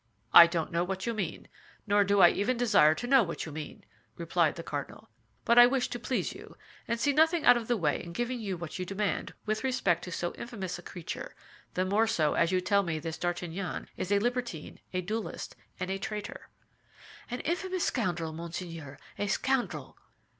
"I don't know what you mean, nor do I even desire to know what you mean," replied the cardinal; "but I wish to please you, and see nothing out of the way in giving you what you demand with respect to so infamous a creature—the more so as you tell me this D'Artagnan is a libertine, a duelist, and a traitor." "An infamous scoundrel, monseigneur, a scoundrel!"